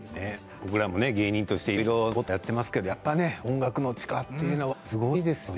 僕らも芸人としていろいろやっていますけれど音楽の力というのはすごいですね。